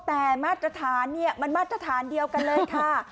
แต่มาตรฐานเนี่ยมันมาตรฐานเดียวกันเลยค่ะ